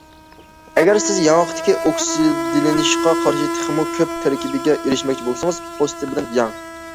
ئەگەر سىز ياڭاقتىكى ئوكسىدلىنىشقا قارشى تېخىمۇ كۆپ تەركىبكە ئېرىشمەكچى بولسىڭىز، پوستى بىلەن يەڭ.